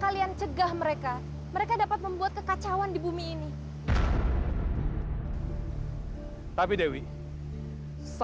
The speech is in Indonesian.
kita sebagai dewi harus bekerja sama untuk mengayomi penduduk kita